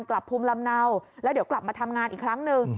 กลับภูมิลำเนาแล้วเดี๋ยวกลับมาทำงานอีกครั้งหนึ่ง